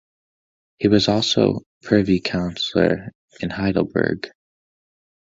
He was also privy counsellor in Heidelberg.